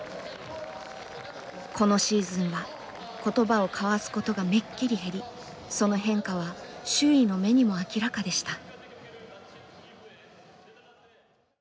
このシーズンは言葉を交わすことがめっきり減りその変化は周囲の目にも明らかでした。